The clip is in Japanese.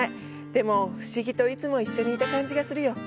でも不思議といつも一緒にいた感じがするよ。